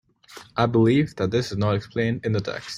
I believe that this is not explained in the text.